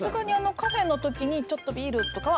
カフェのときにちょっとビールとか。